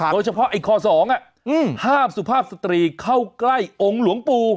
โดยเฉพาะไอ้ข้อ๒ห้ามสุภาพสตรีเข้าใกล้องค์หลวงปู่